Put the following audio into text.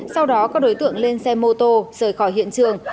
sau đó các đối tượng lên xe mô tô rời khỏi hiện trường